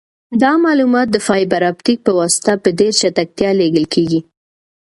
دا معلومات د فایبر اپټیک په واسطه په ډېر چټکتیا لیږل کیږي.